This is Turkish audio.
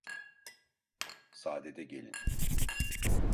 Sadede gelin.